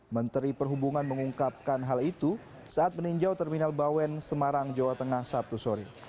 menteri perhubungan mengungkapkan hal itu saat meninjau terminal bawen semarang jawa tengah sabtu sore